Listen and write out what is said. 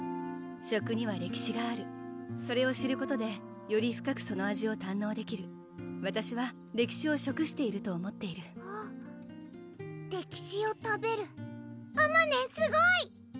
食には歴史があるそれを知ることでより深くその味を堪能できるわたしは歴史を食していると思っている歴史を食べるあまねんすごい！